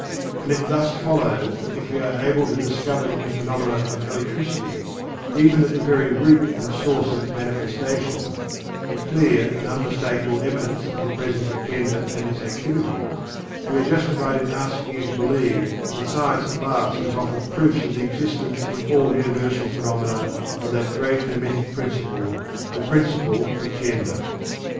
And it thus follows that if we are able to discover in the phenomena of electricity even at the very root and source of its manifestations a clear and unmistakable evidence of the presence of Gender and its activities, we are justified in asking you to believe that science at last has offered proofs of the existence in all universal phenomena of that great Hermetic Principle the Principle of Gender.